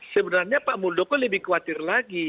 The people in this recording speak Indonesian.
sebenarnya pak muldoko lebih khawatir lagi